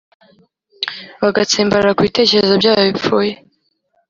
bagatsimbarara ku bitekerezo byabo bipfuye